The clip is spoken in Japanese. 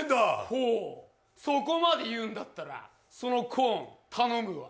ほお、そこまで言うんだったら、そのコーン、頼むよ。